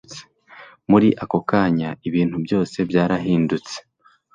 Muri ako kanya, ibintu byose byarahindutse.